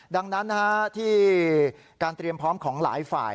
ดังนั้นที่การเตรียมพร้อมของหลายฝ่าย